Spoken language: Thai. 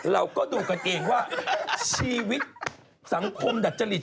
เราก็ดูกันเองว่าชีวิตสังคมดัจจริต